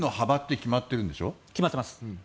決まってます。